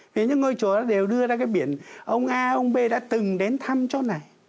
vì những ngôi chùa đó đều đưa ra cái biển ông a ông b đã từng đến thăm chỗ này